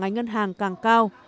ngành ngân hàng càng cao